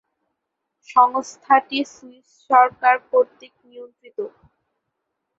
সংস্থাটি সুইস সরকার কর্তৃক নিয়ন্ত্রিত।